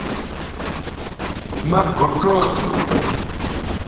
مہ بھوچو تھو